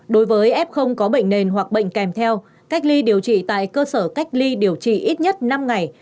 đối với f không có bệnh nền hoặc bệnh kèm theo cách ly điều trị tại cơ sở cách ly điều trị ít nhất năm ngày